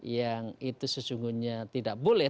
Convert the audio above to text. yang itu sesungguhnya tidak boleh